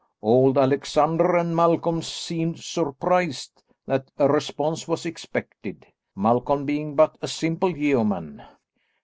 Old Alexander and Malcolm seemed surprised that a response was expected, Malcolm being but a simple yeoman.